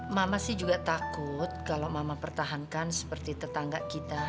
mama sih juga takut kalau mama pertahankan seperti tetangga kita